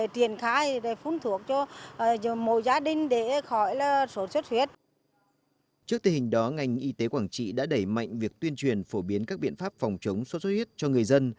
trước tình hình đó ngành y tế quảng trị đã đẩy mạnh việc tuyên truyền phổ biến các biện pháp phòng chống sốt xuất huyết cho người dân